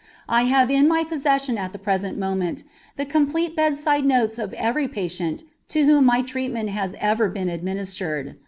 I have in my possession at the present moment the complete bedside notes of every patient to whom my treatment has ever been administered.